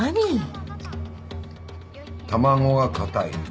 卵が硬い。